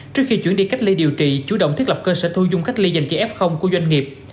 trước khi chuyển đi cách ly điều trị chủ động thiết lập cơ sở thu dung cách ly dành cho f của doanh nghiệp